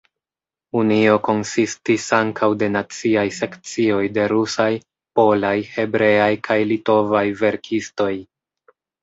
Unio konsistis ankaŭ de naciaj sekcioj de rusaj, polaj, hebreaj kaj litovaj verkistoj.